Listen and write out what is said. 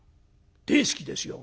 「大好きですよ」。